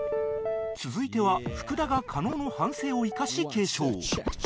続いては福田が加納の反省を生かし継承